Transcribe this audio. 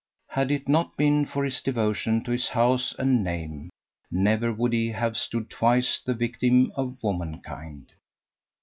Had it not been for his devotion to his house and name, never would he have stood twice the victim of womankind.